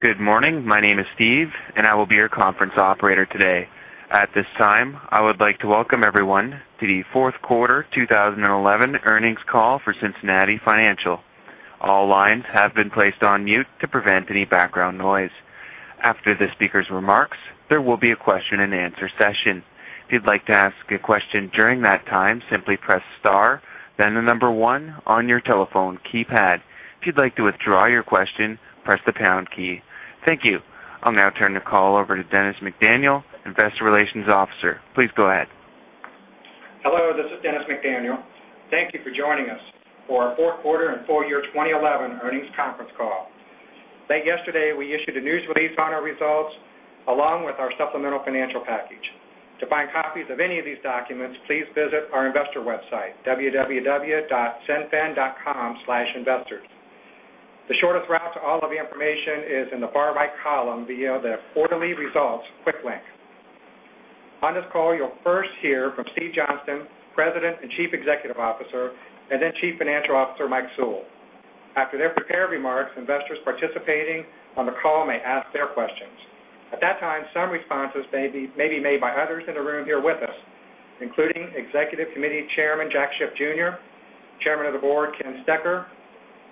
Good morning. My name is Steve, and I will be your conference operator today. At this time, I would like to welcome everyone to the fourth quarter 2011 earnings call for Cincinnati Financial. All lines have been placed on mute to prevent any background noise. After the speaker's remarks, there will be a question and answer session. If you'd like to ask a question during that time, simply press star, then the number one on your telephone keypad. If you'd like to withdraw your question, press the pound key. Thank you. I'll now turn the call over to Dennis McDaniel, investor relations officer. Please go ahead. Hello, this is Dennis McDaniel. Thank you for joining us for our fourth quarter and full year 2011 earnings conference call. Late yesterday, we issued a news release on our results along with our supplemental financial package. To find copies of any of these documents, please visit our investor website, www.cinfin.com/investors. The shortest route to all of the information is in the far right column via the quarterly results quick link. On this call, you'll first hear from Steve Johnston, President and Chief Executive Officer, and then Chief Financial Officer, Mike Sewell. After their prepared remarks, investors participating on the call may ask their questions. At that time, some responses may be made by others in the room here with us, including Executive Committee Chairman, Jack Schiff Jr., Chairman of the Board, Ken Stecher,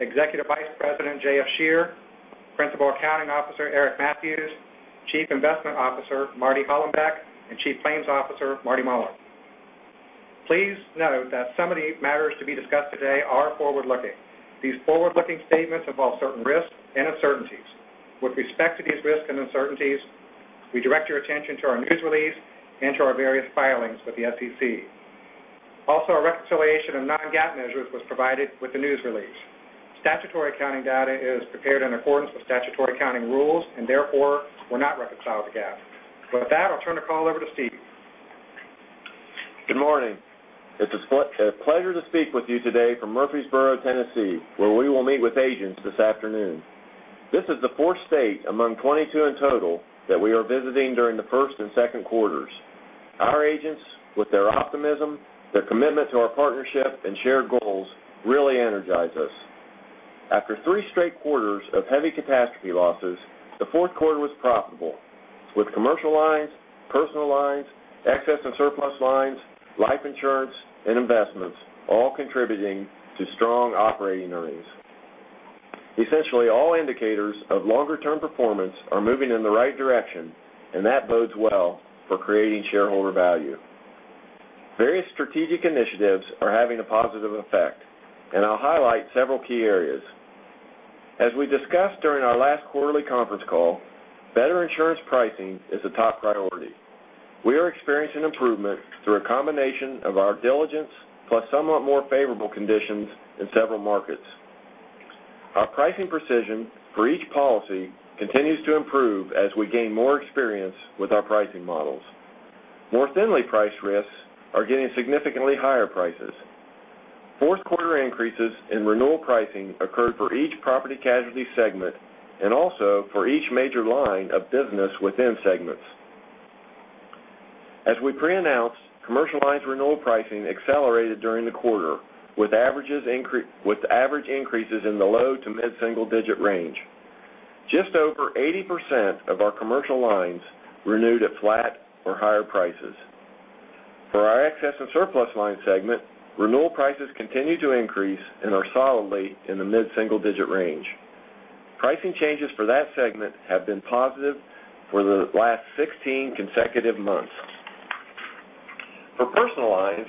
Executive Vice President, J.F. Scherer, Principal Accounting Officer, Eric Mathews, Chief Investment Officer, Marty Hollenbeck, and Chief Claims Officer, Marty Muller. Please note that some of the matters to be discussed today are forward-looking. These forward-looking statements involve certain risks and uncertainties. With respect to these risks and uncertainties, we direct your attention to our news release and to our various filings with the SEC. Also, a reconciliation of non-GAAP measures was provided with the news release. Statutory accounting data is prepared in accordance with statutory accounting rules, and therefore were not reconciled to GAAP. With that, I'll turn the call over to Steve. Good morning. It's a pleasure to speak with you today from Murfreesboro, Tennessee, where we will meet with agents this afternoon. This is the fourth state among 22 in total that we are visiting during the first and second quarters. Our agents, with their optimism, their commitment to our partnership and shared goals, really energize us. After three straight quarters of heavy catastrophe losses, the fourth quarter was profitable, with commercial lines, personal lines, excess and surplus lines, life insurance, and investments all contributing to strong operating earnings. Essentially, all indicators of longer-term performance are moving in the right direction, and that bodes well for creating shareholder value. Various strategic initiatives are having a positive effect, and I'll highlight several key areas. As we discussed during our last quarterly conference call, better insurance pricing is a top priority. We are experiencing improvement through a combination of our diligence plus somewhat more favorable conditions in several markets. Our pricing precision for each policy continues to improve as we gain more experience with our pricing models. More thinly priced risks are getting significantly higher prices. Fourth quarter increases in renewal pricing occurred for each property casualty segment and also for each major line of business within segments. As we pre-announced, commercial lines renewal pricing accelerated during the quarter, with average increases in the low to mid-single digit range. Just over 80% of our commercial lines renewed at flat or higher prices. For our excess and surplus line segment, renewal prices continue to increase and are solidly in the mid-single digit range. Pricing changes for that segment have been positive for the last 16 consecutive months. For personal lines,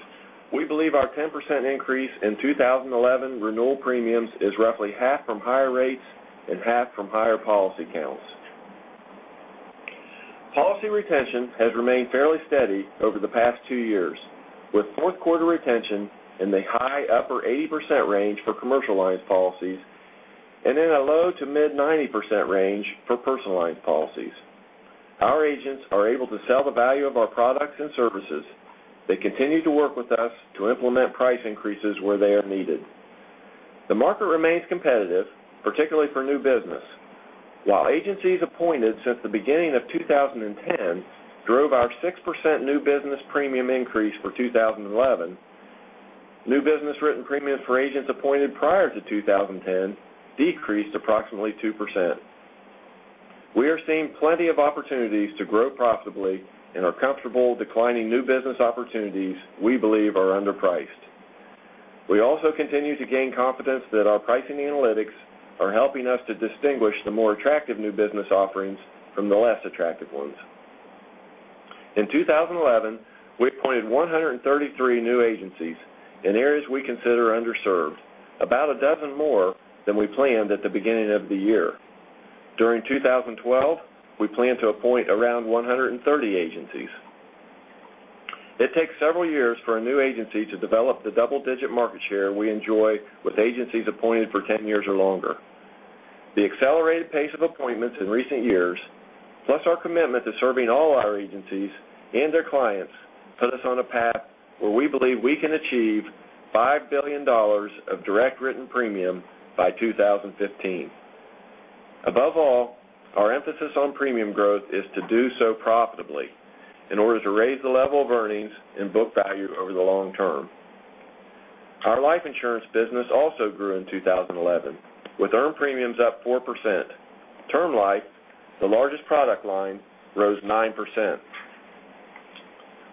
we believe our 10% increase in 2011 renewal premiums is roughly half from higher rates and half from higher policy counts. Policy retention has remained fairly steady over the past two years, with fourth quarter retention in the high upper 80% range for commercial lines policies and in a low to mid 90% range for personal lines policies. Our agents are able to sell the value of our products and services. They continue to work with us to implement price increases where they are needed. The market remains competitive, particularly for new business. While agencies appointed since the beginning of 2010 drove our 6% new business premium increase for 2011, new business written premiums for agents appointed prior to 2010 decreased approximately 2%. We are seeing plenty of opportunities to grow profitably and are comfortable declining new business opportunities we believe are underpriced. We also continue to gain confidence that our pricing analytics are helping us to distinguish the more attractive new business offerings from the less attractive ones. In 2011, we appointed 133 new agencies in areas we consider underserved, about a dozen more than we planned at the beginning of the year. During 2012, we plan to appoint around 130 agencies. It takes several years for a new agency to develop the double-digit market share we enjoy with agencies appointed for 10 years or longer. The accelerated pace of appointments in recent years, plus our commitment to serving all our agencies and their clients, put us on a path where we believe we can achieve $5 billion of direct written premium by 2015. Above all, our emphasis on premium growth is to do so profitably in order to raise the level of earnings and book value over the long term. Our life insurance business also grew in 2011, with earned premiums up 4%. Term life, the largest product line, rose 9%.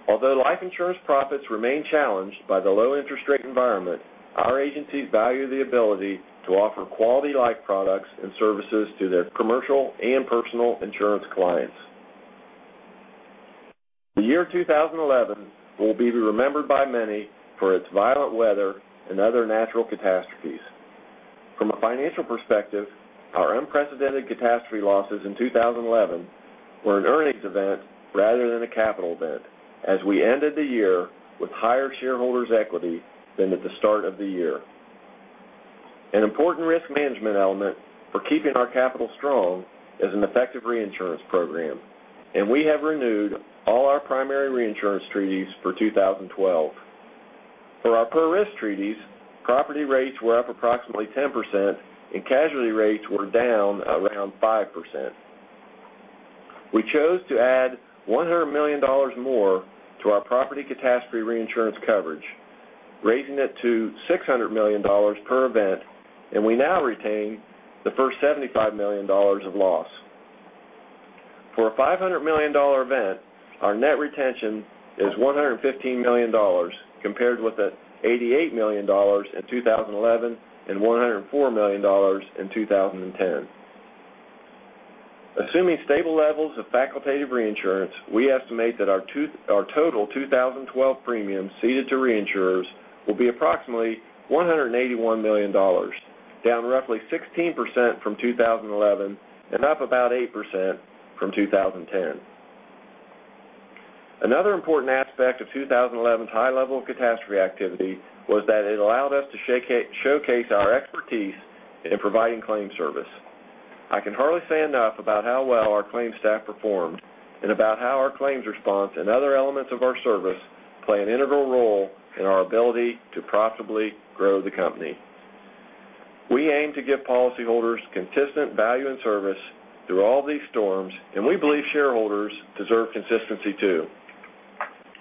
Although life insurance profits remain challenged by the low interest rate environment, our agencies value the ability to offer quality life products and services to their commercial and personal insurance clients. The year 2011 will be remembered by many for its violent weather and other natural catastrophes. From a financial perspective, our unprecedented catastrophe losses in 2011 were an earnings event rather than a capital event, as we ended the year with higher shareholders' equity than at the start of the year. An important risk management element for keeping our capital strong is an effective reinsurance program, and we have renewed all our primary reinsurance treaties for 2012. For our per-risk treaties, property rates were up approximately 10%, and casualty rates were down around 5%. We chose to add $100 million more to our property catastrophe reinsurance coverage, raising it to $600 million per event, and we now retain the first $75 million of loss. For a $500 million event, our net retention is $115 million, compared with the $88 million in 2011 and $104 million in 2010. Assuming stable levels of facultative reinsurance, we estimate that our total 2012 premiums ceded to reinsurers will be approximately $181 million, down roughly 16% from 2011 and up about 8% from 2010. Another important aspect of 2011's high level of catastrophe activity was that it allowed us to showcase our expertise in providing claim service. I can hardly say enough about how well our claims staff performed and about how our claims response and other elements of our service play an integral role in our ability to profitably grow the company. We aim to give policyholders consistent value and service through all these storms. We believe shareholders deserve consistency, too.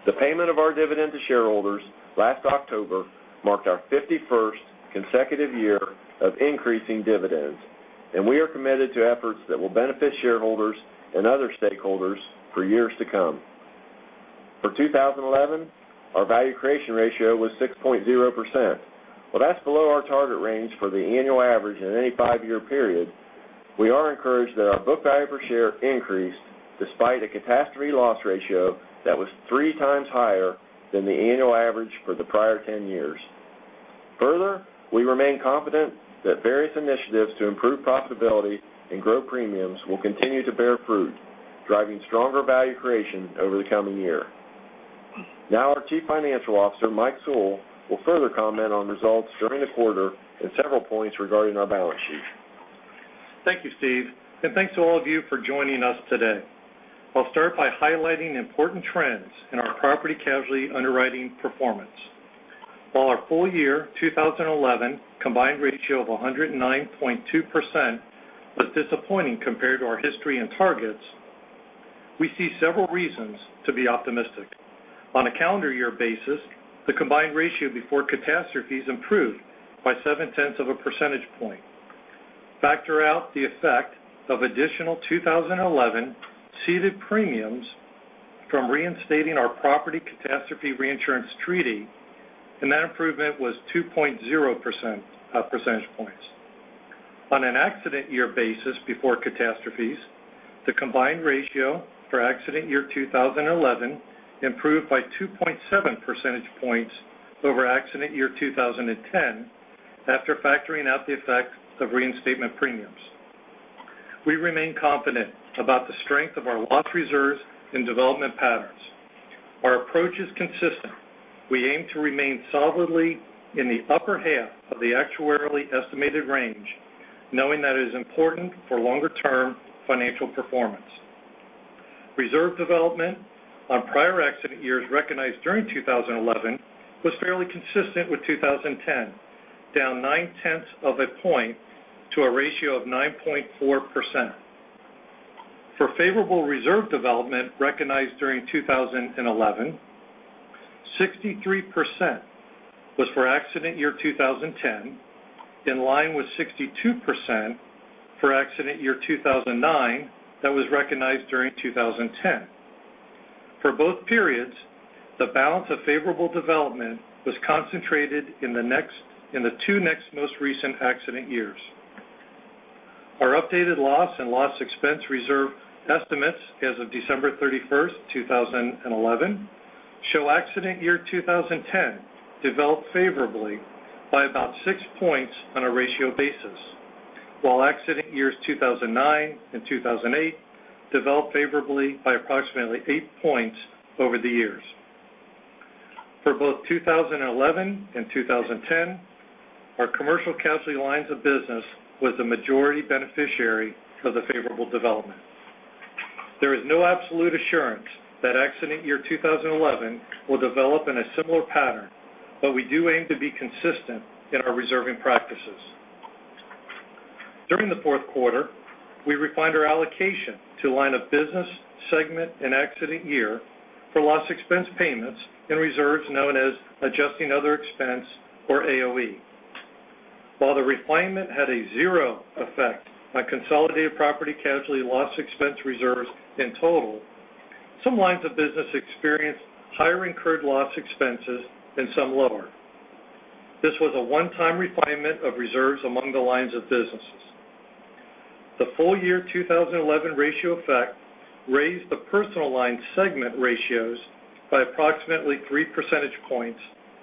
The payment of our dividend to shareholders last October marked our 51st consecutive year of increasing dividends, and we are committed to efforts that will benefit shareholders and other stakeholders for years to come. For 2011, our value creation ratio was 6.0%. While that's below our target range for the annual average in any five-year period, we are encouraged that our book value per share increased despite a catastrophe loss ratio that was three times higher than the annual average for the prior 10 years. We remain confident that various initiatives to improve profitability and grow premiums will continue to bear fruit, driving stronger value creation over the coming year. Our Chief Financial Officer, Mike Sewell, will further comment on results during the quarter and several points regarding our balance sheet. Thank you, Steve. Thanks to all of you for joining us today. I'll start by highlighting important trends in our property casualty underwriting performance. While our full year 2011 combined ratio of 109.2% was disappointing compared to our history and targets, we see several reasons to be optimistic. On a calendar year basis, the combined ratio before catastrophes improved by seven-tenths of a percentage point. Factor out the effect of additional 2011 ceded premiums from reinstating our property catastrophe reinsurance treaty, that improvement was 2.0 percentage points. On an accident year basis before catastrophes, the combined ratio for accident year 2011 improved by 2.7 percentage points over accident year 2010 after factoring out the effect of reinstatement premiums. We remain confident about the strength of our loss reserves and development patterns. Our approach is consistent. We aim to remain solidly in the upper half of the actuarially estimated range, knowing that is important for longer-term financial performance. Reserve development on prior accident years recognized during 2011 was fairly consistent with 2010, down nine-tenths of a point to a ratio of 9.4%. For favorable reserve development recognized during 2011, 63% was for accident year 2010, in line with 62% for accident year 2009 that was recognized during 2010. For both periods, the balance of favorable development was concentrated in the two next most recent accident years. Our updated loss and loss expense reserve estimates as of December 31st, 2011, show accident year 2010 developed favorably by about six points on a ratio basis, while accident years 2009 and 2008 developed favorably by approximately eight points over the years. For both 2011 and 2010, our commercial casualty lines of business was the majority beneficiary of the favorable development. There is no absolute assurance that accident year 2011 will develop in a similar pattern, but we do aim to be consistent in our reserving practices. During the fourth quarter, we refined our allocation to line of business segment and accident year for loss expense payments in reserves known as Adjusting Other Expense or AOE. While the refinement had a zero effect on consolidated property casualty loss expense reserves in total, some lines of business experienced higher incurred loss expenses and some lower. This was a one-time refinement of reserves among the lines of businesses. The full-year 2011 ratio effect raised the personal line segment ratios by approximately three percentage points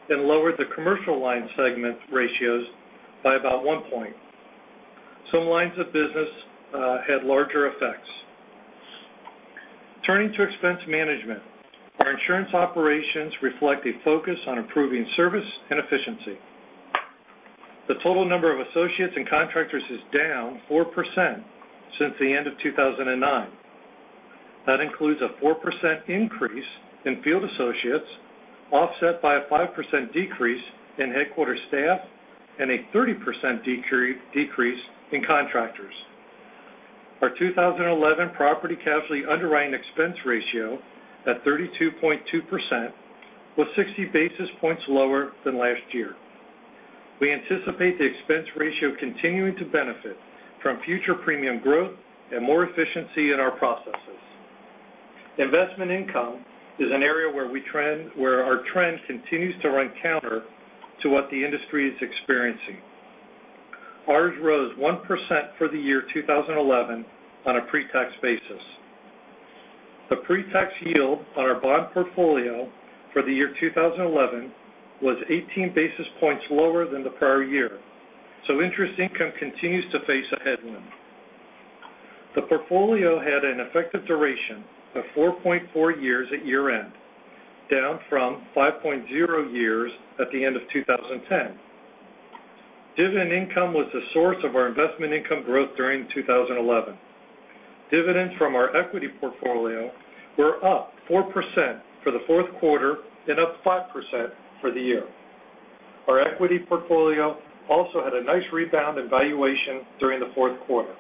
and lowered the commercial line segment ratios by about one point. Some lines of business had larger effects. Turning to expense management, our insurance operations reflect a focus on improving service and efficiency. The total number of associates and contractors is down 4% since the end of 2009. That includes a 4% increase in field associates, offset by a 5% decrease in headquarter staff and a 30% decrease in contractors. Our 2011 property casualty underwriting expense ratio at 32.2% was 60 basis points lower than last year. We anticipate the expense ratio continuing to benefit from future premium growth and more efficiency in our processes. Investment income is an area where our trend continues to run counter to what the industry is experiencing. Ours rose 1% for the year 2011 on a pre-tax basis. The pre-tax yield on our bond portfolio for the year 2011 was 18 basis points lower than the prior year. Interest income continues to face a headwind. The portfolio had an effective duration of 4.4 years at year end, down from 5.0 years at the end of 2010. Dividend income was the source of our investment income growth during 2011. Dividends from our equity portfolio were up 4% for the fourth quarter and up 5% for the year. Our equity portfolio also had a nice rebound in valuation during the fourth quarter.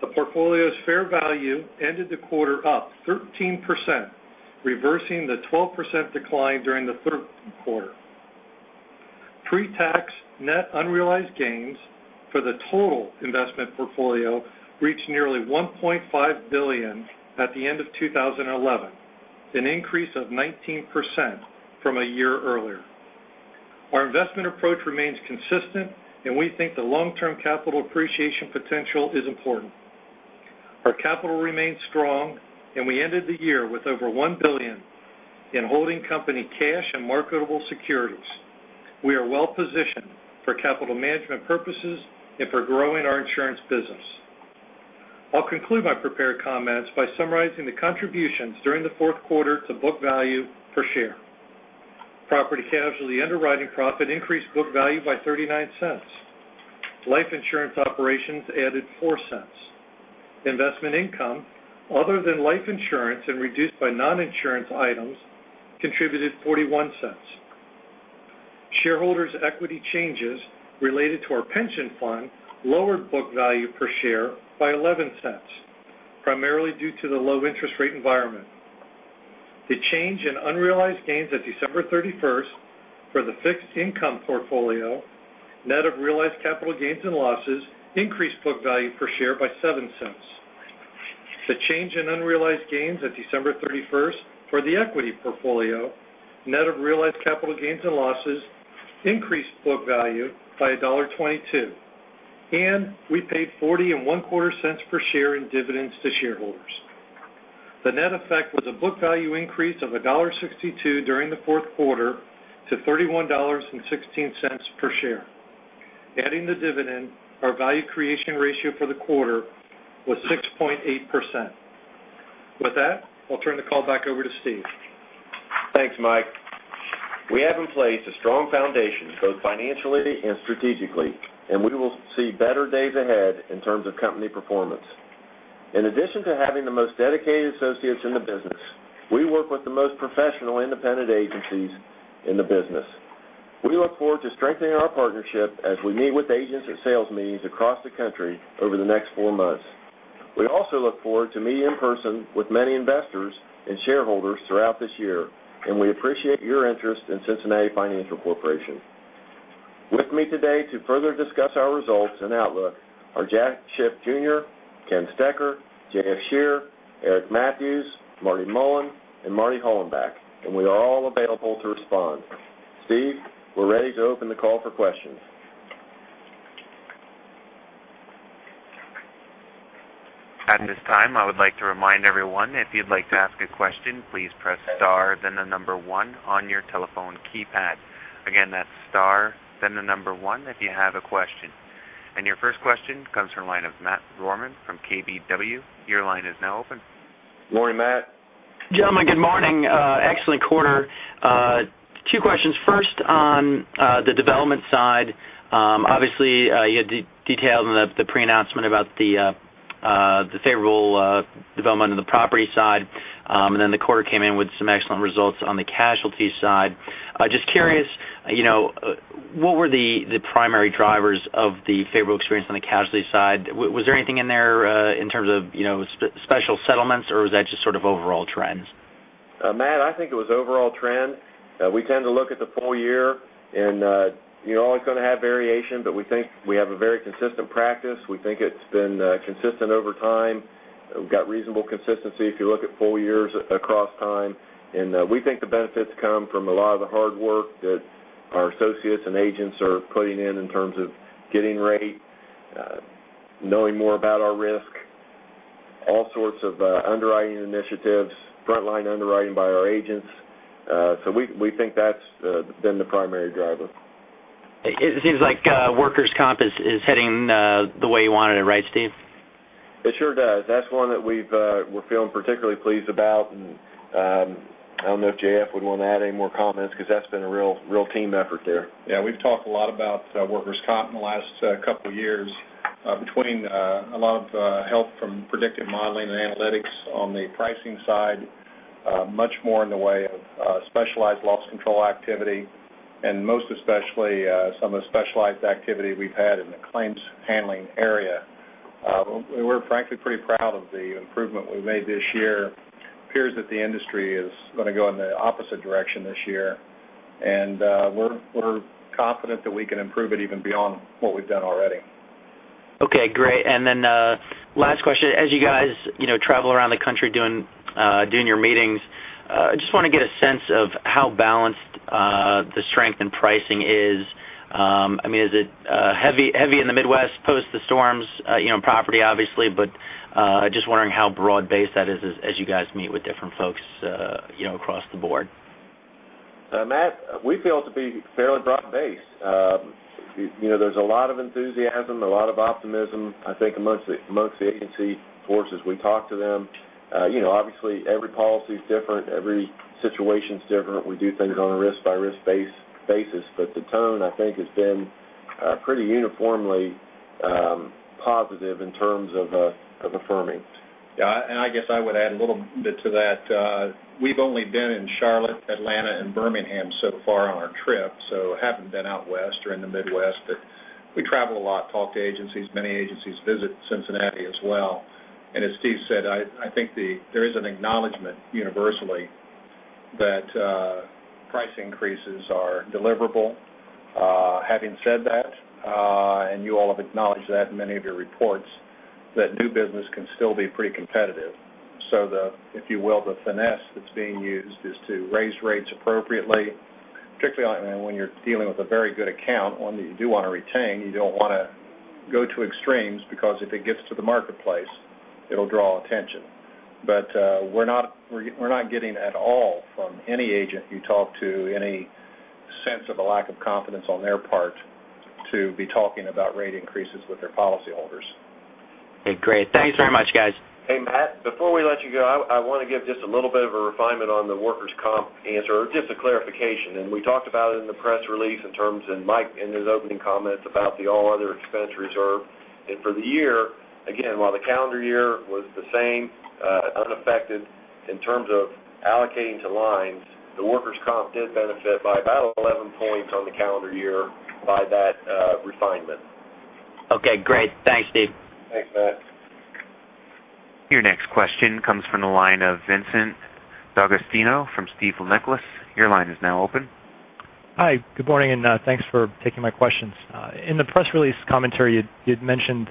The portfolio's fair value ended the quarter up 13%, reversing the 12% decline during the third quarter. Pre-tax net unrealized gains for the total investment portfolio reached nearly $1.5 billion at the end of 2011, an increase of 19% from a year earlier. Our investment approach remains consistent. We think the long-term capital appreciation potential is important. Our capital remains strong, and we ended the year with over $1 billion in holding company cash and marketable securities. We are well positioned for capital management purposes and for growing our insurance business. I'll conclude my prepared comments by summarizing the contributions during the fourth quarter to book value per share. Property casualty underwriting profit increased book value by $0.39. Life insurance operations added $0.04. Investment income, other than life insurance and reduced by non-insurance items, contributed $0.41. Shareholders' equity changes related to our pension fund lowered book value per share by $0.11, primarily due to the low interest rate environment. The change in unrealized gains at December 31st for the fixed income portfolio, net of realized capital gains and losses, increased book value per share by $0.07. The change in unrealized gains at December 31st for the equity portfolio, net of realized capital gains and losses, increased book value by $1.22. We paid 40 and one quarter cents per share in dividends to shareholders. The net effect was a book value increase of $1.62 during the fourth quarter to $31.16 per share. Adding the dividend, our value creation ratio for the quarter was 6.8%. With that, I'll turn the call back over to Steve. Thanks, Mike. We have in place a strong foundation, both financially and strategically. We will see better days ahead in terms of company performance. In addition to having the most dedicated associates in the business, we work with the most professional independent agencies in the business. We look forward to strengthening our partnership as we meet with agents at sales meetings across the country over the next four months. We also look forward to meeting in person with many investors and shareholders throughout this year. We appreciate your interest in Cincinnati Financial Corporation. With me today to further discuss our results and outlook are Jack Schiff Jr., Ken Stecher, J.F. Scherer, Eric J. Mathews, Marty Mullen, and Marty Hollenbeck. We are all available to respond. Steve, we're ready to open the call for questions. At this time, I would like to remind everyone, if you'd like to ask a question, please press star, then the number 1 on your telephone keypad. Again, that's star, then the number 1 if you have a question. Your first question comes from the line of Matt Rohrmann from KBW. Your line is now open. Morning, Matt. Gentlemen, good morning. Excellent quarter. Two questions. First, on the development side, obviously, you had detailed in the pre-announcement about the favorable development on the property side. Then the quarter came in with some excellent results on the casualty side. Just curious, what were the primary drivers of the favorable experience on the casualty side? Was there anything in there in terms of special settlements, or was that just overall trends? Matt, I think it was overall trend. We tend to look at the full year and you're always going to have variation, but we think we have a very consistent practice. We think it's been consistent over time. We've got reasonable consistency if you look at full years across time. We think the benefits come from a lot of the hard work that our associates and agents are putting in terms of getting rate, knowing more about our risk, all sorts of underwriting initiatives, frontline underwriting by our agents. We think that's been the primary driver. It seems like workers' comp is heading the way you wanted it, right, Steve? It sure does. That's one that we're feeling particularly pleased about, and I don't know if J.F. would want to add any more comments because that's been a real team effort there. Yeah, we've talked a lot about workers' comp in the last couple of years. Between a lot of help from predictive modeling and analytics on the pricing side, much more in the way of specialized loss control activity, and most especially, some of the specialized activity we've had in the claims handling area. We're frankly pretty proud of the improvement we've made this year. It appears that the industry is going to go in the opposite direction this year, and we're confident that we can improve it even beyond what we've done already. Okay, great. Last question, as you guys travel around the country doing your meetings, I just want to get a sense of how balanced the strength in pricing is. Is it heavy in the Midwest post the storms, property obviously, but just wondering how broad-based that is as you guys meet with different folks across the board. Matt, we feel it to be fairly broad-based. There's a lot of enthusiasm, a lot of optimism, I think amongst the agency forces, we talk to them. Obviously, every policy's different, every situation's different. We do things on a risk-by-risk basis. The tone I think has been pretty uniformly positive in terms of affirming. Yeah, I guess I would add a little bit to that. We've only been in Charlotte, Atlanta, and Birmingham so far on our trip, so haven't been out West or in the Midwest, we travel a lot, talk to agencies. Many agencies visit Cincinnati as well. As Steve said, I think there is an acknowledgment universally that price increases are deliverable. Having said that, and you all have acknowledged that in many of your reports, that new business can still be pretty competitive. The, if you will, the finesse that's being used is to raise rates appropriately, particularly when you're dealing with a very good account, one that you do want to retain, you don't want to go to extremes because if it gets to the marketplace, it'll draw attention. We're not getting at all from any agent you talk to, any sense of a lack of confidence on their part to be talking about rate increases with their policyholders. Okay, great. Thanks very much, guys. Hey, Matt, before we let you go, I want to give just a little bit of a refinement on the workers' comp answer, or just a clarification. We talked about it in the press release in terms of Mike and his opening comments about the all other expense reserve. For the year, again, while the calendar year was the same, unaffected in terms of allocating to lines, the workers' comp did benefit by about 11 points on the calendar year by that refinement. Okay, great. Thanks, Steve. Thanks, Matt. Your next question comes from the line of Vincent D'Agostino from Stifel Nicolaus. Your line is now open. Hi, good morning, thanks for taking my questions. In the press release commentary, you'd mentioned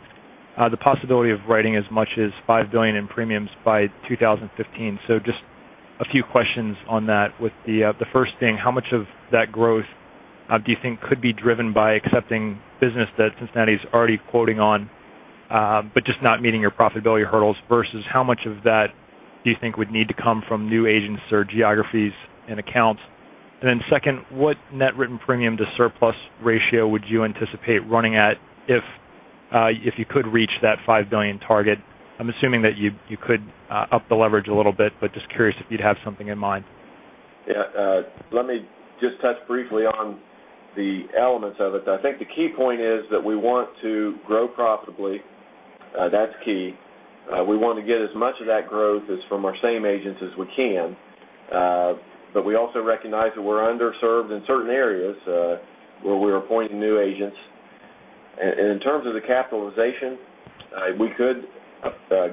the possibility of writing as much as $5 billion in premiums by 2015. Just a few questions on that with the first thing, how much of that growth do you think could be driven by accepting business that Cincinnati is already quoting on, but just not meeting your profitability hurdles, versus how much of that do you think would need to come from new agents or geographies and accounts? Second, what net written premium to surplus ratio would you anticipate running at if you could reach that $5 billion target? I'm assuming that you could up the leverage a little bit, but just curious if you'd have something in mind. Yeah. Let me just touch briefly on the elements of it. I think the key point is that we want to grow profitably. That's key. We want to get as much of that growth as from our same agents as we can. We also recognize that we're underserved in certain areas where we're appointing new agents. In terms of the capitalization, we could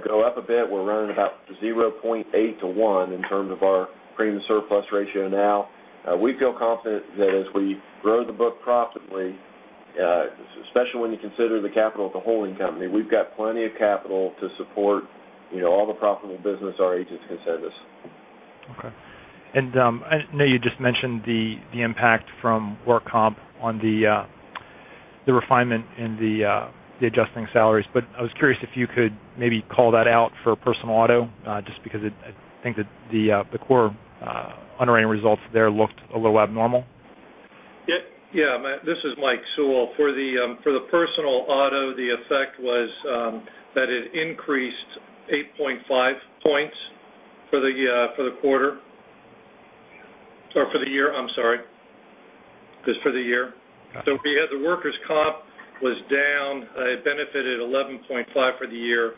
go up a bit. We're running about 0.8 to 1 in terms of our premium surplus ratio now. We feel confident that as we grow the book profitably, especially when you consider the capital of the holding company, we've got plenty of capital to support all the profitable business our agents can send us. Okay. I know you just mentioned the impact from work comp on the refinement in the adjusting salaries, but I was curious if you could maybe call that out for personal auto, just because I think that the core underwriting results there looked a little abnormal. Yeah, Matt, this is Mike Sewell. For the personal auto, the effect was that it increased 8.5 points for the quarter Or for the year, I'm sorry. Just for the year. We had the workers' comp was down. It benefited 11.5 for the year.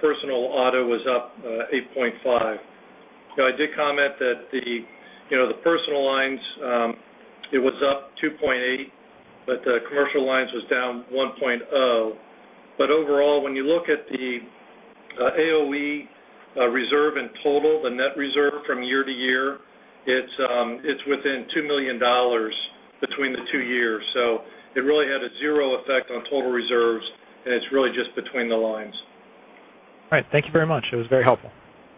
Personal auto was up 8.5. I did comment that the personal lines, it was up 2.8, but the commercial lines was down 1.0. Overall, when you look at the AOE reserve in total, the net reserve from year to year, it's within $2 million between the two years. It really had a zero effect on total reserves, and it's really just between the lines. All right. Thank you very much. It was very helpful.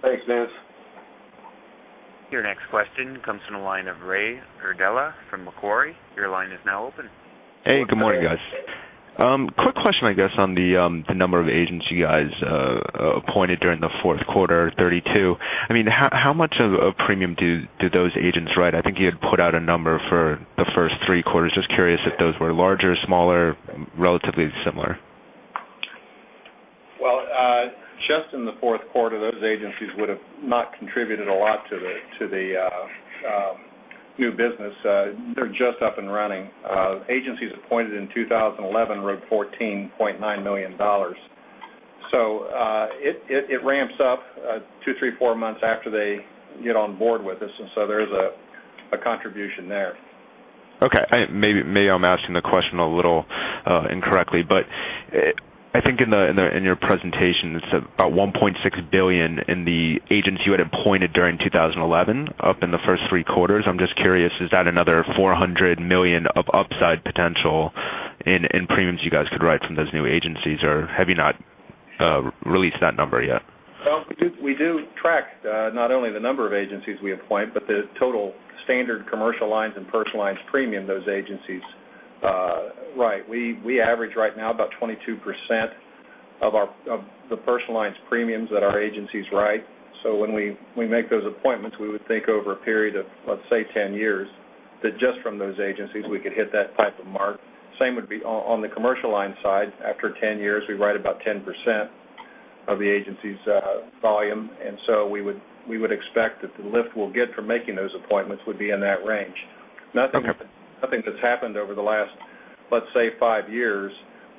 Thanks, Vince. Your next question comes from the line of Ray Cordella from Macquarie. Your line is now open. Hey, good morning, guys. Quick question, I guess, on the number of agents you guys appointed during the fourth quarter, 32. How much of a premium do those agents write? I think you had put out a number for the first three quarters. Just curious if those were larger, smaller, relatively similar. Well, just in the fourth quarter, those agencies would've not contributed a lot to the new business. They're just up and running. Agencies appointed in 2011 wrote $14.9 million. It ramps up two, three, four months after they get on board with us. There is a contribution there. Okay. Maybe I'm asking the question a little incorrectly, but I think in your presentation, it's about $1.6 billion in the agents you had appointed during 2011 up in the first three quarters. I'm just curious, is that another $400 million of upside potential in premiums you guys could write from those new agencies, or have you not released that number yet? Well, we do track not only the number of agencies we appoint, but the total standard commercial lines and personal lines premium those agencies write. We average right now about 22% of the personal lines premiums that our agencies write. When we make those appointments, we would think over a period of, let's say, 10 years, that just from those agencies, we could hit that type of mark. Same would be on the commercial line side. After 10 years, we write about 10% of the agency's volume. We would expect that the lift we'll get from making those appointments would be in that range. Nothing that's happened over the last, let's say, five years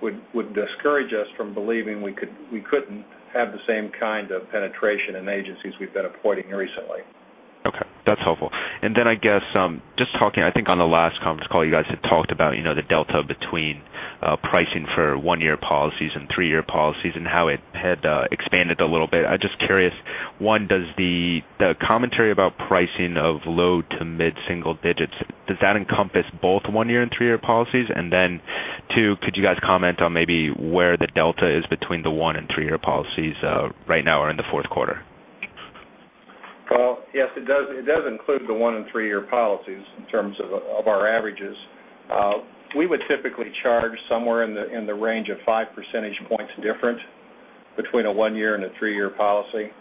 would discourage us from believing we couldn't have the same kind of penetration in agencies we've been appointing recently. Okay. That's helpful. I guess, just talking, I think on the last conference call, you guys had talked about the delta between pricing for one-year policies and three-year policies, and how it had expanded a little bit. I'm just curious, one, does the commentary about pricing of low to mid-single digits, does that encompass both one-year and three-year policies? Two, could you guys comment on maybe where the delta is between the one and three-year policies right now or in the fourth quarter? Well, yes, it does include the one and three-year policies in terms of our averages. We would typically charge somewhere in the range of five percentage points different between a one-year and a three-year policy.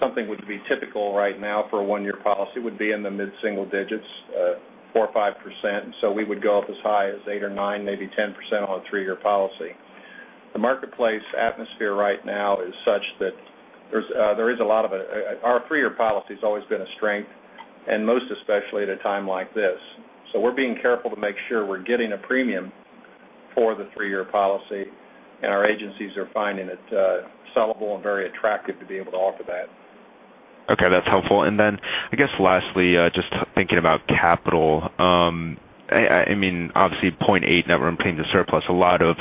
Something would be typical right now for a one-year policy would be in the mid-single digits, 4% or 5%. We would go up as high as 8% or 9%, maybe 10% on a three-year policy. The marketplace atmosphere right now is such that our three-year policy's always been a strength, and most especially at a time like this. We're being careful to make sure we're getting a premium for the three-year policy, and our agencies are finding it sellable and very attractive to be able to offer that. Okay. That's helpful. I guess lastly, just thinking about capital. Obviously 0.8 net worth and premium to surplus, a lot of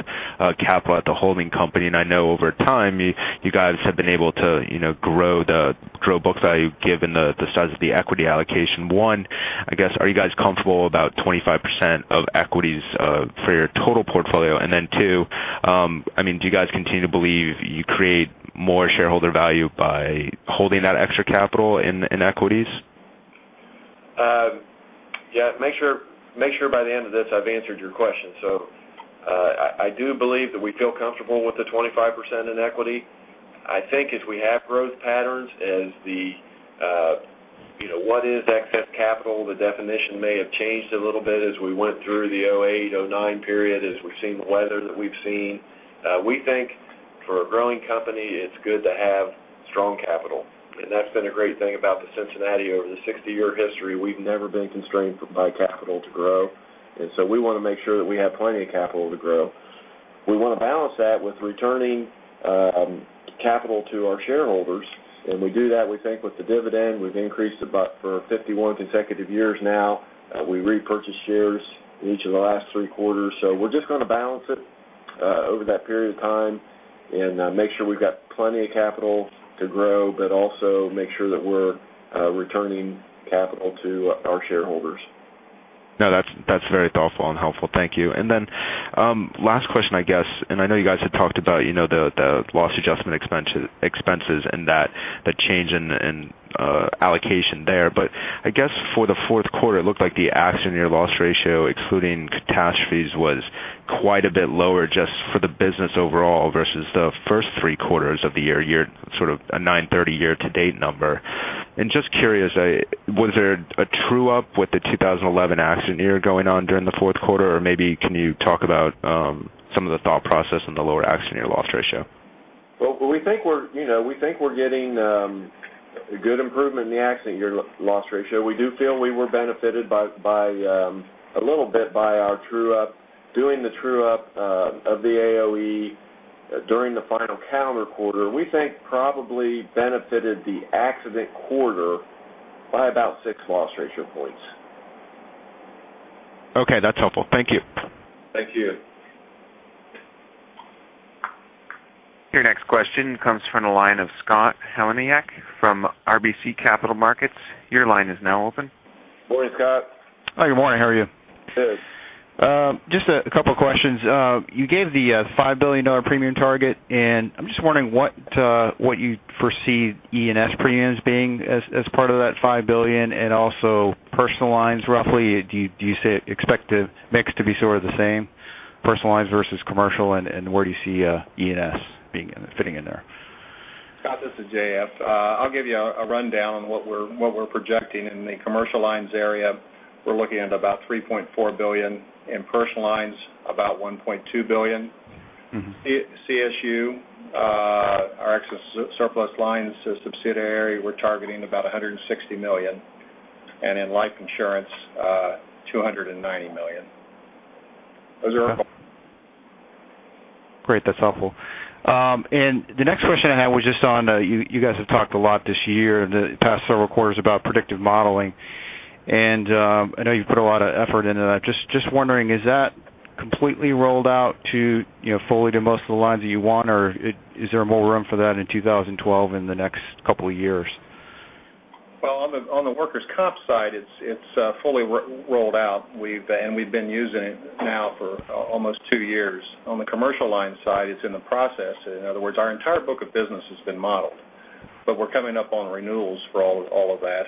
capital at the holding company, and I know over time, you guys have been able to grow book value given the size of the equity allocation. One, I guess, are you guys comfortable about 25% of equities for your total portfolio? Two, do you guys continue to believe you create more shareholder value by holding that extra capital in equities? Yeah. Make sure by the end of this I've answered your question. I do believe that we feel comfortable with the 25% in equity. I think as we have growth patterns, as the what is excess capital? The definition may have changed a little bit as we went through the 2008, 2009 period, as we've seen the weather that we've seen. We think for a growing company, it's good to have strong capital. That's been a great thing about Cincinnati Financial over the 60-year history. We've never been constrained by capital to grow. We want to make sure that we have plenty of capital to grow. We want to balance that with returning capital to our shareholders, and we do that, we think, with the dividend. We've increased about for 51 consecutive years now. We repurchased shares in each of the last three quarters. We're just going to balance it over that period of time and make sure we've got plenty of capital to grow, but also make sure that we're returning capital to our shareholders. No, that's very thoughtful and helpful. Thank you. Last question, I guess, and I know you guys had talked about the loss adjustment expenses and the change in allocation there. I guess for the fourth quarter, it looked like the accident year loss ratio, excluding catastrophes, was quite a bit lower just for the business overall versus the first three quarters of the year. Your sort of a 930 year to date number. Just curious, was there a true-up with the 2011 accident year going on during the fourth quarter? Or maybe can you talk about some of the thought process in the lower accident year loss ratio? Well, we think we're getting good improvement in the accident year loss ratio. We do feel we were benefited a little bit by doing the true-up of the AOE during the final calendar quarter. We think probably benefited the accident quarter by about six loss ratio points. Okay. That's helpful. Thank you. Thank you. Your next question comes from the line of Scott Heleniak from RBC Capital Markets. Your line is now open. Morning, Scott. Hi, good morning. How are you? Good. Just a couple of questions. You gave the $5 billion premium target, and I'm just wondering what you foresee E&S premiums being as part of that $5 billion, and also personal lines roughly. Do you expect the mix to be sort of the same, personal lines versus commercial, and where do you see E&S fitting in there? Scott, this is J.F. I'll give you a rundown on what we're projecting in the commercial lines area. We're looking at about $3.4 billion in personal lines, about $1.2 billion. CSU, our excess surplus lines subsidiary, we're targeting about $160 million. In life insurance, $290 million. Those are our goals. Great. That's helpful. The next question I had was just on, you guys have talked a lot this year, the past several quarters, about predictive modeling. I know you've put a lot of effort into that. Just wondering, is that completely rolled out fully to most of the lines that you want, or is there more room for that in 2012 in the next couple of years? Well, on the workers' comp side, it's fully rolled out. We've been using it now for almost two years. On the commercial line side, it's in the process. In other words, our entire book of business has been modeled, but we're coming up on renewals for all of that.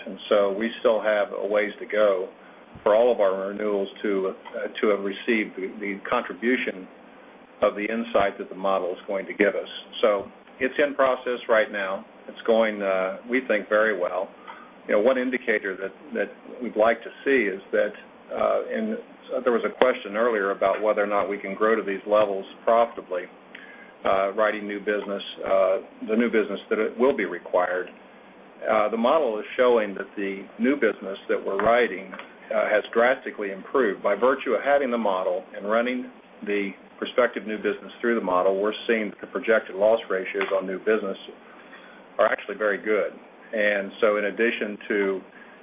We still have a ways to go for all of our renewals to have received the contribution of the insight that the model is going to give us. It's in process right now. It's going, we think, very well. One indicator that we'd like to see is that, there was a question earlier about whether or not we can grow to these levels profitably, writing the new business that will be required. The model is showing that the new business that we're writing has drastically improved. By virtue of having the model and running the prospective new business through the model, we're seeing that the projected loss ratios on new business are actually very good. In addition to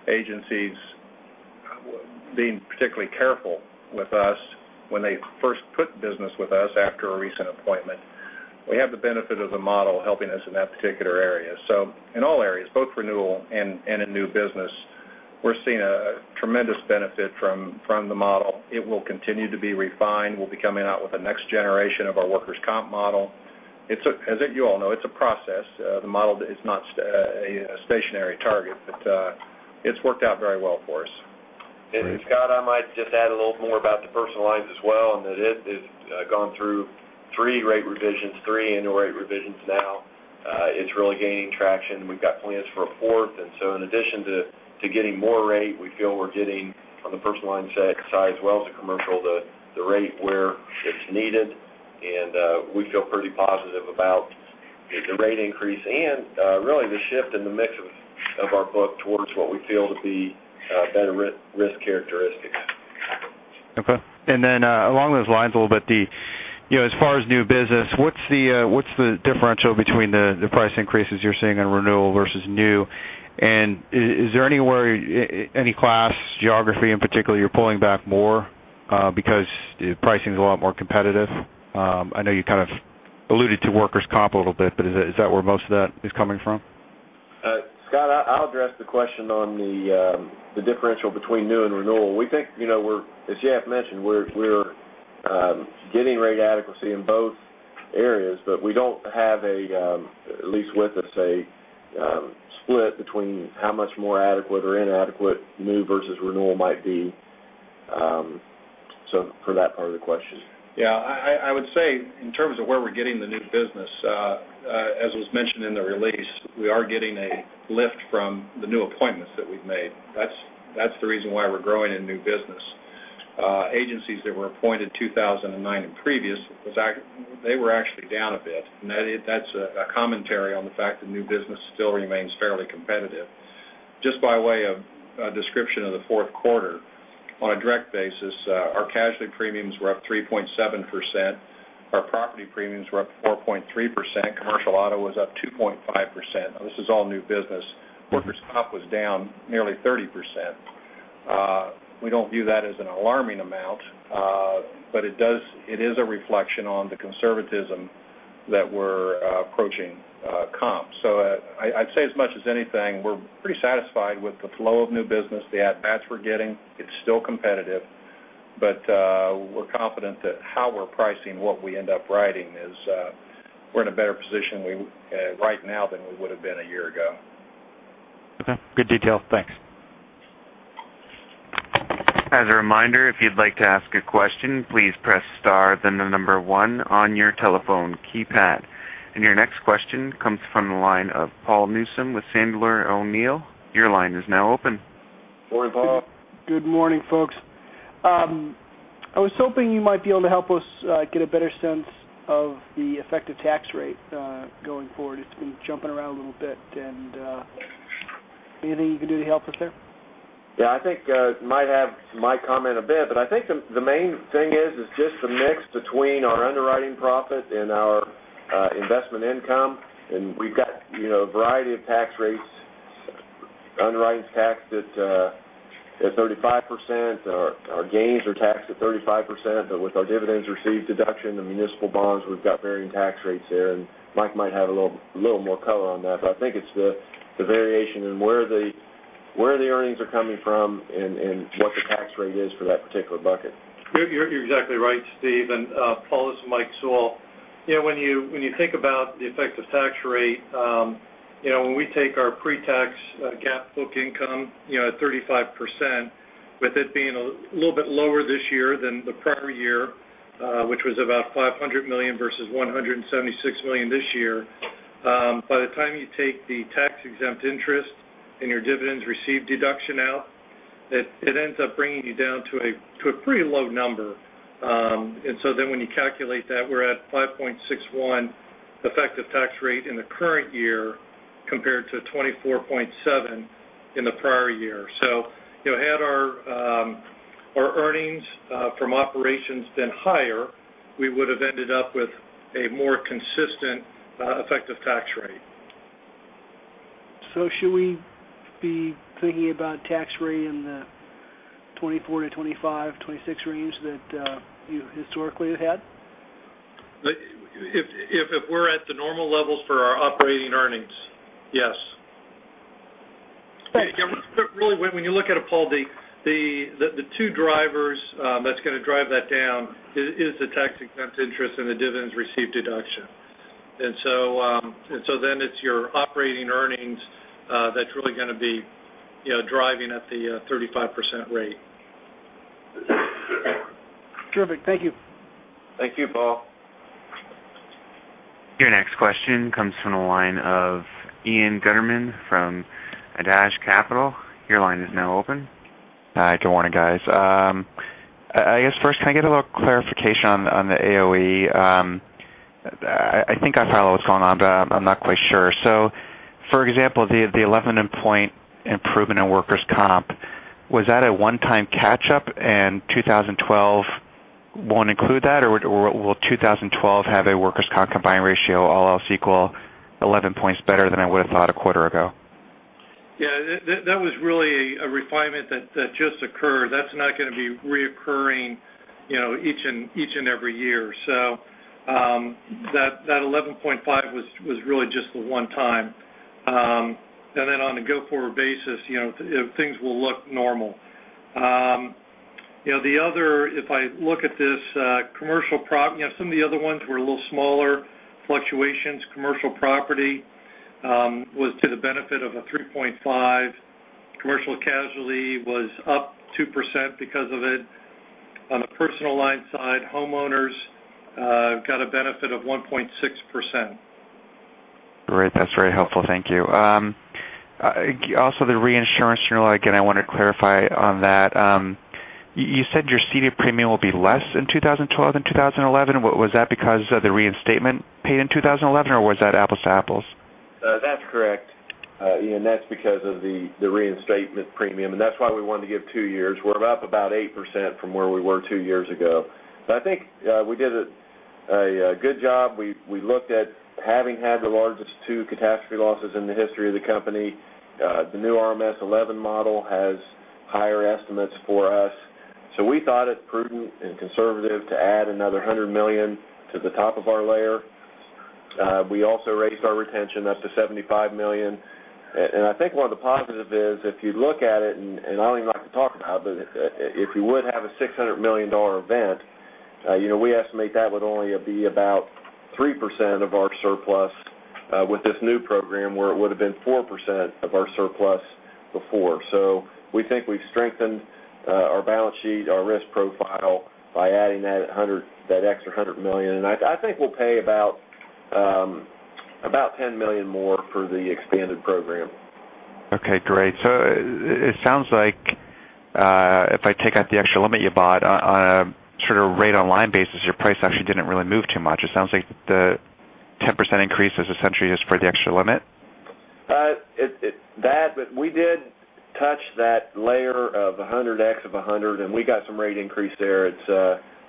agencies being particularly careful with us when they first put business with us after a recent appointment, we have the benefit of the model helping us in that particular area. In all areas, both renewal and in new business, we're seeing a tremendous benefit from the model. It will continue to be refined. We'll be coming out with the next generation of our workers' comp model. As you all know, it's a process. The model is not a stationary target, but it's worked out very well for us. Scott, I might just add a little more about the personal lines as well, and that it has gone through three rate revisions, three annual rate revisions now. It's really gaining traction. We've got plans for a fourth. In addition to getting more rate, we feel we're getting on the personal line side as well as the commercial, the rate where it's needed. We feel pretty positive about the rate increase and really the shift in the mix of our book towards what we feel to be better risk characteristics. Okay. Along those lines a little bit, as far as new business, what's the differential between the price increases you're seeing on renewal versus new? Is there any class, geography in particular, you're pulling back more because the pricing is a lot more competitive? I know you kind of alluded to workers' comp a little bit, but is that where most of that is coming from? Scott, I'll address the question on the differential between new and renewal. As J.F. mentioned, we're getting rate adequacy in both areas, but we don't have a, at least with a, say, split between how much more adequate or inadequate new versus renewal might be. For that part of the question. I would say in terms of where we are getting the new business, as was mentioned in the release, we are getting a lift from the new appointments that we have made. That is the reason why we are growing in new business. Agencies that were appointed 2009 and previous, they were actually down a bit. That is a commentary on the fact that new business still remains fairly competitive. Just by way of a description of the fourth quarter, on a direct basis, our casualty premiums were up 3.7%, our property premiums were up 4.3%, commercial auto was up 2.5%. This is all new business. Workers' comp was down nearly 30%. We do not view that as an alarming amount, but it is a reflection on the conservatism that we are approaching comp. I would say as much as anything, we are pretty satisfied with the flow of new business, the advances we are getting. It is still competitive, but we are confident that how we are pricing what we end up writing is we are in a better position right now than we would have been a year ago. Good details. Thanks. As a reminder, if you would like to ask a question, please press star then the number 1 on your telephone keypad. Your next question comes from the line of Paul Newsome with Sandler O'Neill. Your line is now open. Good morning, folks. I was hoping you might be able to help us get a better sense of the effective tax rate going forward. It's been jumping around a little bit. Anything you can do to help us there? Yeah, I think Mike comment a bit, the main thing is just the mix between our underwriting profit and our investment income. We've got a variety of tax rates. Underwriting is taxed at 35%, our gains are taxed at 35%, with our dividends received deduction and municipal bonds, we've got varying tax rates there. Mike might have a little more color on that. I think it's the variation in where the earnings are coming from and what the tax rate is for that particular bucket. You're exactly right, Steve. Paul, this is Mike Sewell. When you think about the effective tax rate, when we take our pre-tax, GAAP book income at 35%, with it being a little bit lower this year than the prior year, which was about $500 million versus $176 million this year. By the time you take the tax-exempt interest and your dividends received deduction out, it ends up bringing you down to a pretty low number. When you calculate that, we're at 5.61% effective tax rate in the current year compared to 24.7% in the prior year. Had our earnings from operations been higher, we would have ended up with a more consistent effective tax rate. Should we be thinking about tax rate in the 24%-25%, 26% range that you historically have had? If we're at the normal levels for our operating earnings, yes. Really, when you look at it, Paul Newsome, the two drivers that's going to drive that down is the tax-exempt interest and the dividends received deduction. It's your operating earnings that's really going to be driving at the 35% rate. Terrific. Thank you. Thank you, Paul Newsome. Your next question comes from the line of Ian Gutterman from Adage Capital. Your line is now open. Hi, good morning, guys. I guess first, can I get a little clarification on the AOE? I think I follow what's going on, but I'm not quite sure. For example, the 11-point improvement in workers' comp, was that a one-time catch-up and 2012 won't include that? Or will 2012 have a workers' comp combined ratio, all else equal, 11 points better than I would have thought a quarter ago? Yeah, that was really a refinement that just occurred. That's not going to be reoccurring each and every year. That 11.5 was really just the one time. On a go-forward basis, things will look normal. The other, if I look at this commercial product, some of the other ones were a little smaller fluctuations. Commercial property was to the benefit of a 3.5. Commercial casualty was up 2% because of it. On the personal line side, homeowners got a benefit of 1.6%. Great. That's very helpful. Thank you. Also, the reinsurance renewal, again, I want to clarify on that. You said your ceded premium will be less in 2012 than 2011. Was that because of the reinstatement paid in 2011, or was that apples to apples? That's correct. That's because of the reinstatement premium. That's why we wanted to give two years. We're up about 8% from where we were two years ago. I think we did a good job. We looked at having had the largest two catastrophe losses in the history of the company. The new RMS 11 model has higher estimates for us. We thought it prudent and conservative to add another $100 million to the top of our layer. We also raised our retention up to $75 million. I think one of the positive is if you look at it, and I don't even like to talk about it, but if you would have a $600 million event, we estimate that would only be about 3% of our surplus with this new program where it would have been 4% of our surplus before. We think we've strengthened our balance sheet, our risk profile by adding that extra $100 million. I think we'll pay about $10 million more for the expanded program. Okay, great. It sounds like if I take out the extra limit you bought on a sort of rate online basis, your price actually didn't really move too much. It sounds like the 10% increase is essentially just for the extra limit. That, we did touch that layer of 100X of 100, and we got some rate increase there. It's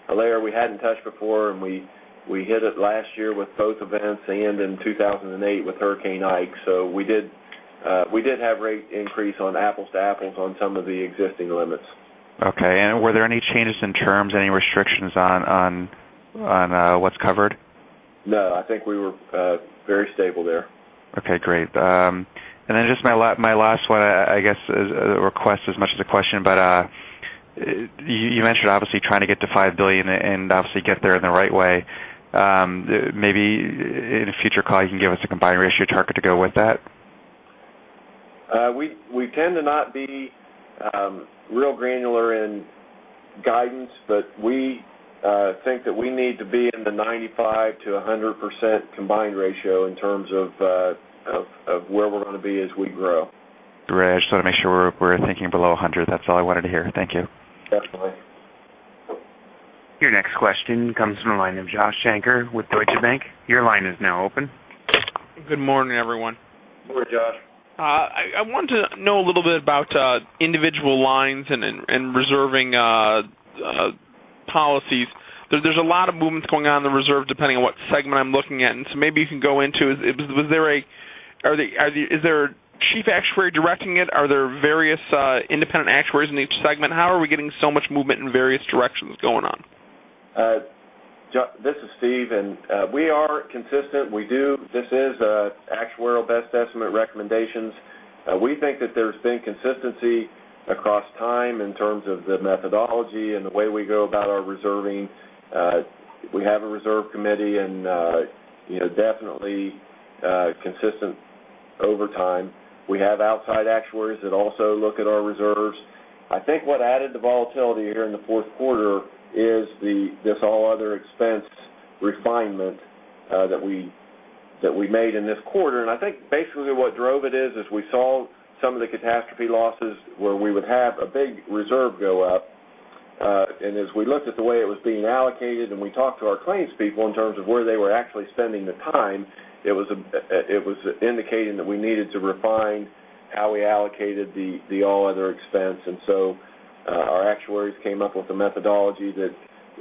a layer we hadn't touched before, and we hit it last year with both events and in 2008 with Hurricane Ike. We did have rate increase on apples-to-apples on some of the existing limits. Okay. Were there any changes in terms, any restrictions on what's covered? No, I think we were very stable there. Just my last one, I guess, is a request as much as a question, but you mentioned obviously trying to get to $5 billion and obviously get there in the right way. Maybe in a future call, you can give us a combined ratio target to go with that? We tend to not be real granular in Guidance, but we think that we need to be in the 95%-100% combined ratio in terms of where we're going to be as we grow. Right. I just want to make sure we're thinking below 100. That's all I wanted to hear. Thank you. Definitely. Your next question comes from the line of Joshua Shanker with Deutsche Bank. Your line is now open. Good morning, everyone. Good morning, Josh. I want to know a little bit about individual lines and reserving policies. There's a lot of movements going on in the reserve depending on what segment I'm looking at. Maybe you can go into, is there a chief actuary directing it? Are there various independent actuaries in each segment? How are we getting so much movement in various directions going on? Josh, this is Steve. We are consistent. This is actuarial best estimate recommendations. We think that there's been consistency across time in terms of the methodology and the way we go about our reserving. We have a reserve committee and definitely consistent over time. We have outside actuaries that also look at our reserves. I think what added the volatility here in the fourth quarter is this all other expense refinement that we made in this quarter. I think basically what drove it is, we saw some of the catastrophe losses where we would have a big reserve go up. As we looked at the way it was being allocated, and we talked to our claims people in terms of where they were actually spending the time, it was indicating that we needed to refine how we allocated the all other expense. Our actuaries came up with a methodology that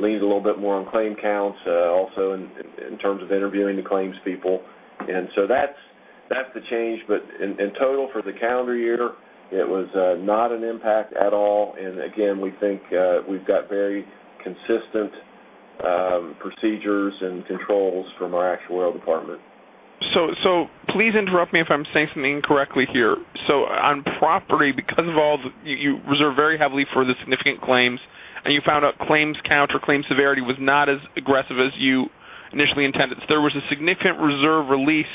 leans a little bit more on claim counts, also in terms of interviewing the claims people. That's the change. In total for the calendar year, it was not an impact at all, and again, we think we've got very consistent procedures and controls from our actuarial department. Please interrupt me if I'm saying something incorrectly here. On property, because you reserve very heavily for the significant claims, and you found out claims count or claim severity was not as aggressive as you initially intended. There was a significant reserve release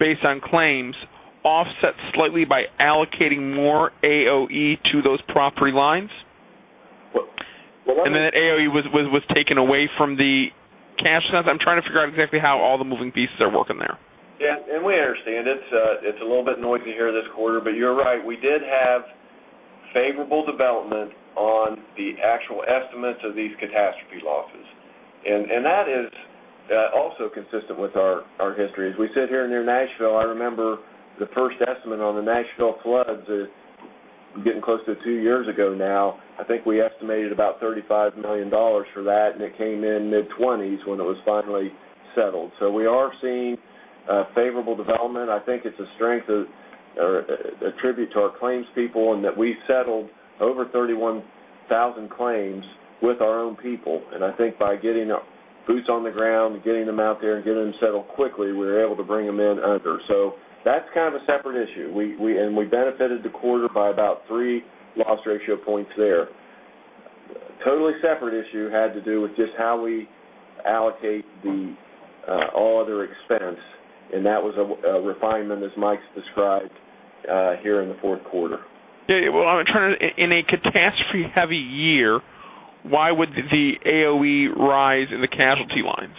based on claims, offset slightly by allocating more AOE to those property lines? Well- That AOE was taken away from the casualty. I'm trying to figure out exactly how all the moving pieces are working there. We understand. It's a little bit noisy here this quarter. You're right, we did have favorable development on the actual estimates of these catastrophe losses. That is also consistent with our history. As we sit here near Nashville, I remember the first estimate on the Nashville floods is getting close to 2 years ago now. I think we estimated about $35 million for that, and it came in mid-20s when it was finally settled. We are seeing favorable development. I think it's a strength or a tribute to our claims people, and that we settled over 31,000 claims with our own people. I think by getting boots on the ground, getting them out there and getting them settled quickly, we were able to bring them in under. That's kind of a separate issue. We benefited the quarter by about three loss ratio points there. Totally separate issue had to do with just how we allocate the all other expense, and that was a refinement as Mike's described here in the fourth quarter. Yeah. In a catastrophe-heavy year, why would the AOE rise in the casualty lines?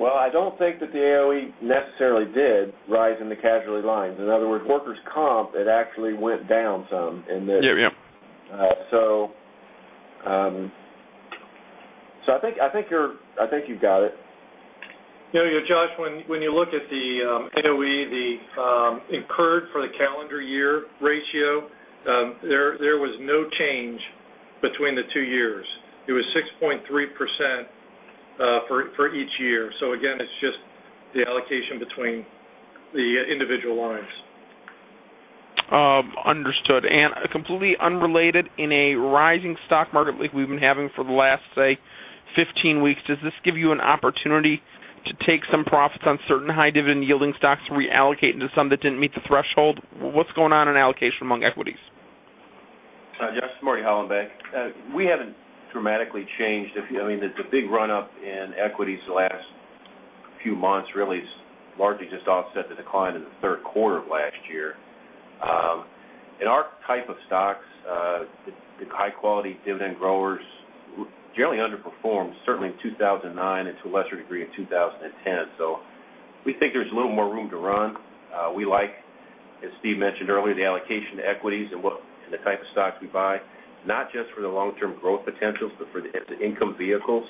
I don't think that the AOE necessarily did rise in the casualty lines. In other words, workers' comp, it actually went down some in this. Yeah. I think you've got it. Josh, when you look at the AOE, the incurred for the calendar year ratio, there was no change between the two years. It was 6.3% for each year. Again, it's just the allocation between the individual lines. Understood. Completely unrelated, in a rising stock market like we've been having for the last, say, 15 weeks, does this give you an opportunity to take some profits on certain high dividend yielding stocks to reallocate into some that didn't meet the threshold? What's going on in allocation among equities? Josh, it's Marty Hollenbeck. We haven't dramatically changed. The big run-up in equities the last few months really has largely just offset the decline in the third quarter of last year. In our type of stocks, the high-quality dividend growers generally underperformed, certainly in 2009 and to a lesser degree in 2010. We think there's a little more room to run. We like, as Steve mentioned earlier, the allocation to equities and the type of stocks we buy, not just for the long-term growth potentials but as income vehicles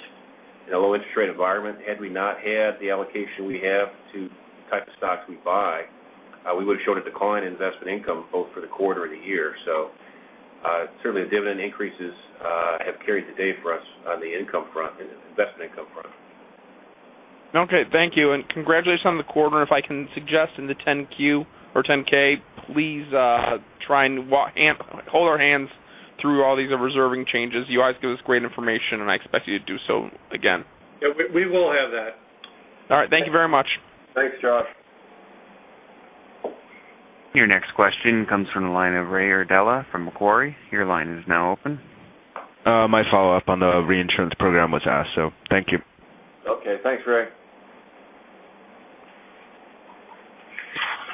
in a low interest rate environment. Had we not had the allocation we have to the type of stocks we buy, we would have showed a decline in investment income, both for the quarter and the year. Certainly the dividend increases have carried the day for us on the income front and investment income front. Okay. Thank you. Congratulations on the quarter. If I can suggest in the 10-Q or 10-K, please hold our hands through all these reserving changes. You always give us great information. I expect you to do so again. Yeah, we will have that. All right. Thank you very much. Thanks, Josh. Your next question comes from the line of Ray Cordella from Macquarie. Your line is now open. My follow-up on the reinsurance program was asked, so thank you. Okay. Thanks, Ray.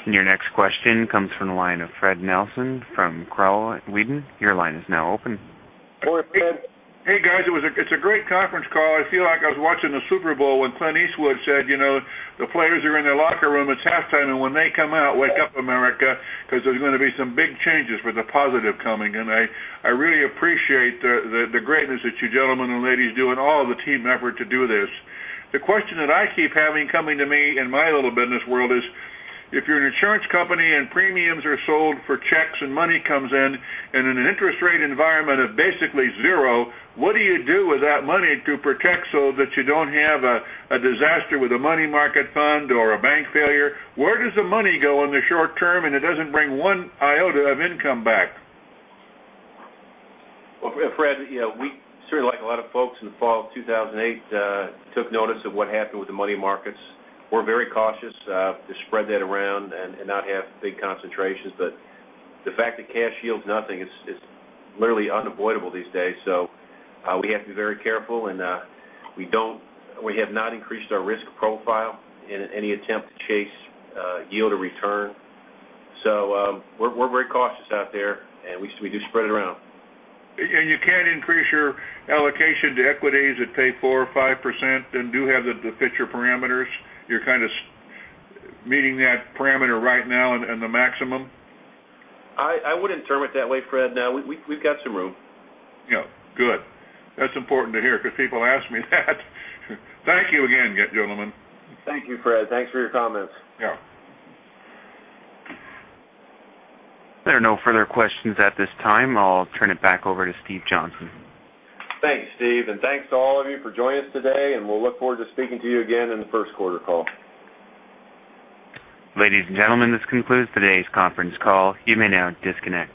Your next question comes from the line of Fred Nelson from Crowell & Weedon. Your line is now open. Hello, Fred. Hey, guys. It's a great conference call. I feel like I was watching the Super Bowl when Clint Eastwood said, "The players are in their locker room. It's halftime, and when they come out, wake up America, because there's going to be some big changes with a positive coming." I really appreciate the greatness that you gentlemen and ladies do and all of the team effort to do this. The question that I keep having coming to me in my little business world is, if you're an insurance company and premiums are sold for checks and money comes in an interest rate environment of basically zero, what do you do with that money to protect so that you don't have a disaster with a money market fund or a bank failure? Where does the money go in the short term, it doesn't bring one iota of income back? Well, Fred, we, sort of like a lot of folks in the fall of 2008, took notice of what happened with the money markets. We're very cautious to spread that around and not have big concentrations. The fact that cash yields nothing is literally unavoidable these days. We have to be very careful, and we have not increased our risk profile in any attempt to chase yield or return. We're very cautious out there, and we do spread it around. You can't increase your allocation to equities that pay 4% or 5% and do have the preset parameters. You're kind of meeting that parameter right now and the maximum? I wouldn't term it that way, Fred. No, we've got some room. Yeah. Good. That's important to hear because people ask me that. Thank you again, gentlemen. Thank you, Fred. Thanks for your comments. Yeah. There are no further questions at this time. I'll turn it back over to Steve Johnston. Thanks, Steve, thanks to all of you for joining us today, and we'll look forward to speaking to you again in the first quarter call. Ladies and gentlemen, this concludes today's conference call. You may now disconnect.